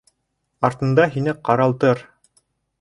Артында һине ҡаралтыр.